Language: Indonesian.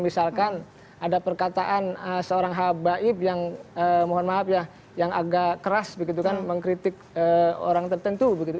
misalkan ada perkataan seorang habaib yang mohon maaf ya yang agak keras begitu kan mengkritik orang tertentu begitu